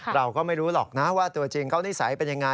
เราก็ไม่รู้หรอกนะว่าตัวจริงเขานิสัยเป็นยังไง